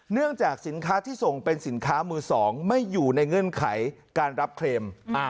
เนื่องจากสินค้าที่ส่งเป็นสินค้ามือ๒ไม่อยู่ในเงื่อนไขการรับเคลม